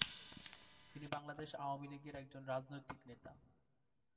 তিনি বাংলাদেশ আওয়ামীলীগ এর একজন রাজনৈতিক নেতা।